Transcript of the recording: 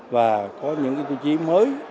và có những tiêu chí mới